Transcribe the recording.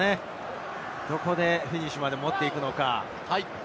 どこでフィニッシュまで持っていくのか？